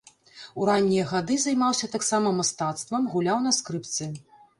У раннія гады займаўся таксама мастацтвам, гуляў на скрыпцы.